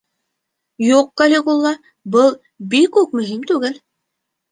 Юҡ, Калигула, был бик үк мөһим түгел.